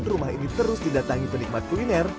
rumah ini terus didatangi penikmat kuliner